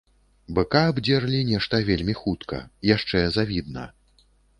Быка абдзерлі нешта вельмі хутка, яшчэ завідна.